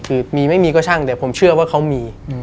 คือมีไม่มีก็ช่างแต่ผมเชื่อว่าเขามี